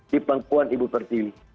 di pangkuan ibu pertilih